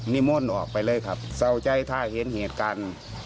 นิมนต์ออกไปเลยครับเศร้าใจถ้าเห็นเหตุการณ์